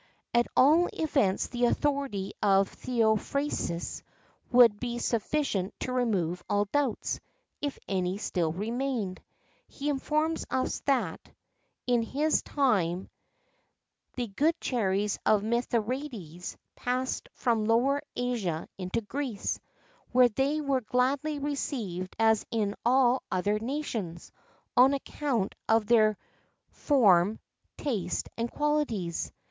At all events the authority of Theophrastus would be sufficient to remove all doubts, if any still remained. He informs us that, in his time, the good cherries of Mithridates passed from Lower Asia into Greece,[XII 58] where they were gladly received as in all other nations, on account of their form, taste, and qualities.